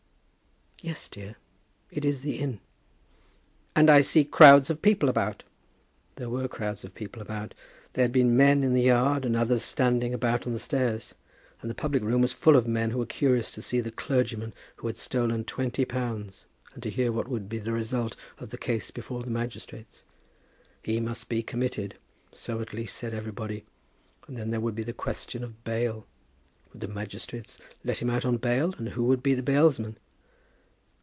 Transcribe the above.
"Yes, dear, it is the Inn." "And I see crowds of people about." There were crowds of people about. There had been men in the yard, and others standing about on the stairs, and the public room was full of men who were curious to see the clergyman who had stolen twenty pounds, and to hear what would be the result of the case before the magistrates. He must be committed; so, at least, said everybody; but then there would be the question of bail. Would the magistrates let him out on bail, and who would be the bailsmen?